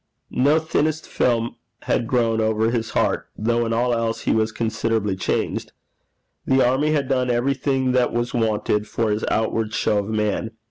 No thinnest film had grown over his heart, though in all else he was considerably changed. The army had done everything that was wanted for his outward show of man.